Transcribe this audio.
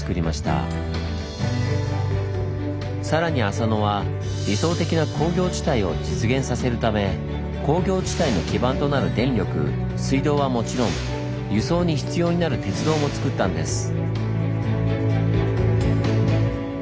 さらに浅野は理想的な工業地帯を実現させるため工業地帯の基盤となる電力水道はもちろん輸送に必要になる鉄道もつくったんです。